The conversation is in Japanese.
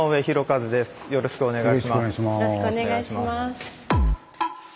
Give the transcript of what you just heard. よろしくお願いします。